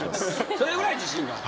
それぐらい自信がある？